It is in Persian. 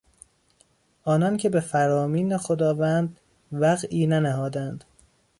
آنان که به فرامین خداوند وقعی ننهادند...